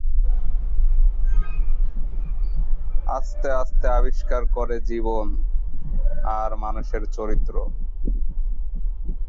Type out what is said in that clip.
আস্তে আস্তে আবিষ্কার করে জীবন আর মানুষের চরিত্র।